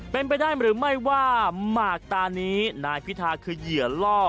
เป็นไปได้หรือไม่ว่าหมากตานี้นายพิธาคือเหยื่อล่อ